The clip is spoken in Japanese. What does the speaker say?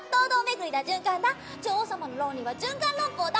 女王様の論理は循環論法だ。